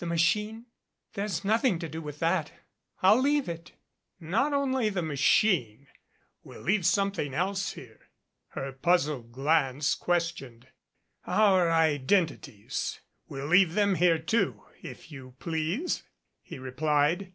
"The machine? There's nothing to do with that. I'll leave it " "Not only the machine we'll leave something else here." Her puzzled glance questioned. "Our identities we'll leave them here, too, if you please," he replied.